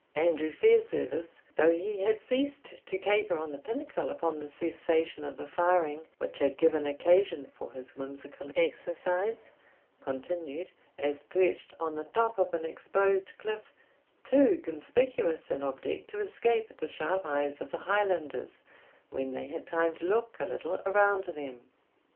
Andrew Fairservice, though he had ceased to caper on the pinnacle upon the cessation of the firing, which had given occasion for his whimsical exercise, continued, as perched on the top of an exposed cliff, too conspicuous an object to escape the sharp eyes of the Highlanders, when they had time to look a little around them.